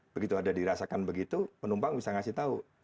begitu ada dirasakan begitu penumpang bisa memberitahu